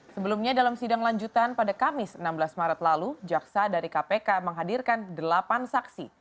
sebelumnya dalam sidang lanjutan pada kamis enam belas maret lalu jaksa dari kpk menghadirkan delapan saksi